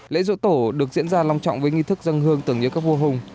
lễ dỗ tổ được diễn ra long trọng với nghi thức dân hương tưởng nhớ các vua hùng